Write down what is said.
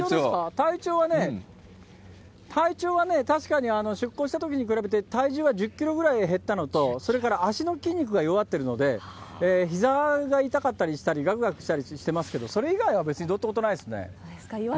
体調はね、体調は確かに出港したときに比べて体重は１０キロぐらい減ったのと、それから足の筋肉が弱ってるので、ひざが痛かったりしたり、がくがくしたりしてますけど、それ以外は別にどうってことないですね。